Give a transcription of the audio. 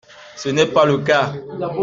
Ce n’est pas le cas.